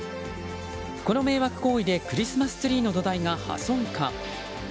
この迷惑行為でクリスマスツリーの土台が破損か。